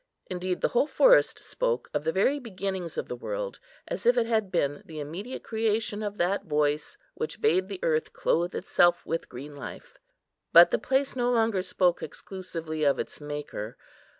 Indeed, the whole forest spoke of the very beginnings of the world, as if it had been the immediate creation of that Voice which bade the earth clothe itself with green life. But the place no longer spoke exclusively of its Maker.